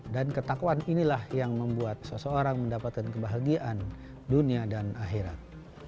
dan ketakwaan inilah yang membuat seseorang mendapatkan kebahagiaan dunia dan akhirat